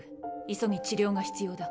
急ぎ治療が必要だ。